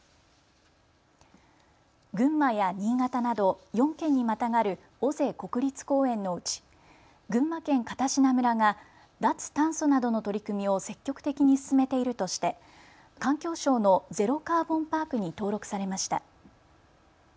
群馬や新潟など４県にまたがる尾瀬国立公園のうち群馬県片品村が脱炭素などの取り組みを積極的に進めているとして環境省のゼロカーボンパークに登録されました。